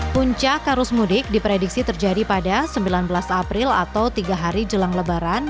puncak arus mudik diprediksi terjadi pada sembilan belas april atau tiga hari jelang lebaran